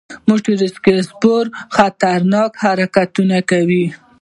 موټر سایکل سپاره خطرناک حرکتونه کوي.